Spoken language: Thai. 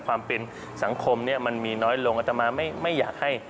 ความเป็นสังคมเนี่ยมันมีน้อยลงอัตมาไม่อยากให้